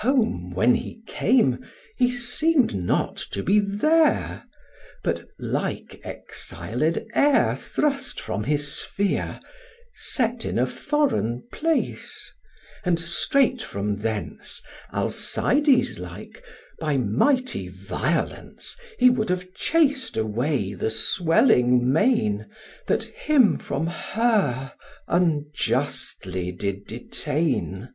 Home when he came, he seem'd not to be there, But, like exiled air thrust from his sphere, Set in a foreign place; and straight from thence, Alcides like, by mighty violence, He would have chas'd away the swelling main, That him from her unjustly did detain.